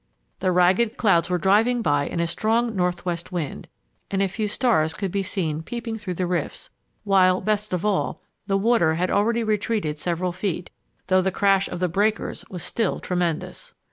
The ragged clouds were driving by in a strong northwest wind, and a few stars could be seen peeping through the rifts, while, best of all, the water had already retreated several feet, though the crash of the breakers was still tremendous.